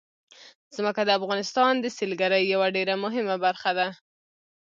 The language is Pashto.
ځمکه د افغانستان د سیلګرۍ یوه ډېره مهمه برخه ده.